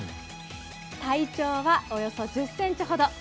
体長はおよそ１０ｃｍほど。